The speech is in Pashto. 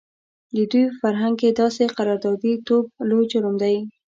د دوی په فرهنګ کې داسې قراردادي توب لوی جرم دی.